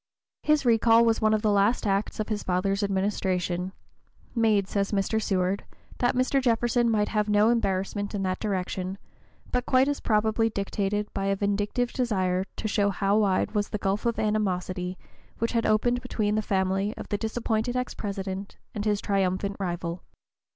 His recall was one of the (p. 025) last acts of his father's administration, made, says Mr. Seward, "that Mr. Jefferson might have no embarrassment in that direction," but quite as probably dictated by a vindictive desire to show how wide was the gulf of animosity which had opened between the family of the disappointed ex President and his triumphant rival.